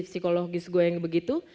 psikologis gue yang begitu